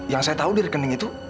yang saya tahu di rekening itu